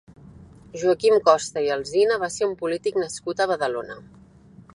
Joaquim Costa i Alsina va ser un polític nascut a Badalona.